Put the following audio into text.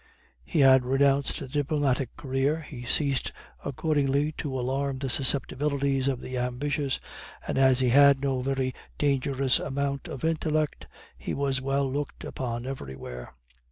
He had renounced the diplomatic career; he ceased accordingly to alarm the susceptibilites of the ambitious; and as he had no very dangerous amount of intellect, he was well looked upon everywhere.